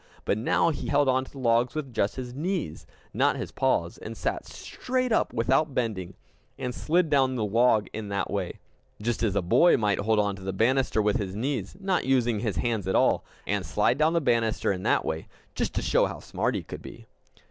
But now he held on to the log with his knees, not his paws, and sat straight up without bending, and slid down the log in that way just as a boy might hold on to the banister with his knees, not using his hands at all, and slide down the banister in that way, just to show how smart he could be!